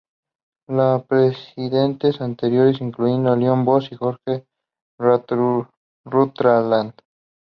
Los presidentes anteriores incluyeron a Leo de Bos y George Rutland.